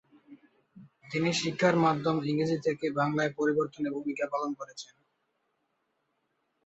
তিনি শিক্ষার মাধ্যম ইংরেজি থেকে বাংলায় পরিবর্তনে ভূমিকা পালন করেছেন।